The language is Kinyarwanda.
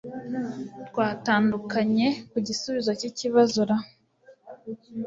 Twatandukanye ku gisubizo cyikibazora